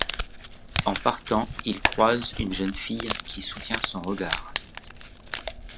En partant il croise une jeune fille qui soutient son regard.